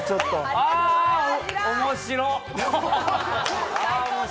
あ、面白い。